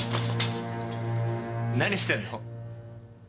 何してんの？